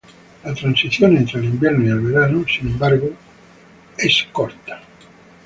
La transición entre el invierno y el verano, sin embargo, son cortas.